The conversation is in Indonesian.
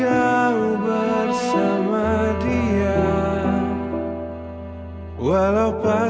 ah othy masih tidur ya